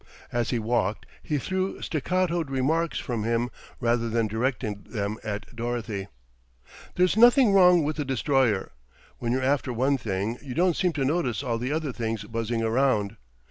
As he walked he threw staccatoed remarks from him rather than directed them at Dorothy. "There's nothing wrong with the Destroyer. When you're after one thing you don't seem to notice all the other things buzzing around.